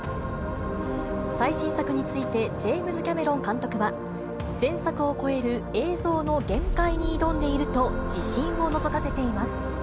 最新作について、ジェームズ・キャメロン監督は、前作を超える映像の限界に挑んでいると、自信をのぞかせています。